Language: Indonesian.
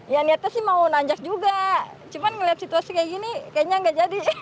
ya niatnya sih mau nanjak juga cuman ngeliat situasi kayak gini kayaknya nggak jadi